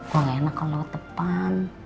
gue nggak enak kalau lo depan